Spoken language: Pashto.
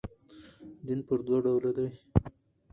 دین پر دوه ډوله دئ.